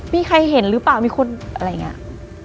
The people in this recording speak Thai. มีใครเห็นหรือเปล่ามีคนอะไรอย่างนี้